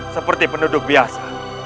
seperti penduduk biasa